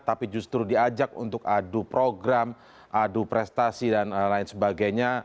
tapi justru diajak untuk adu program adu prestasi dan lain sebagainya